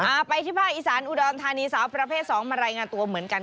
เอาไปที่ภาคอีสานอุดรธานีสาวประเภทสองมารายงานตัวเหมือนกัน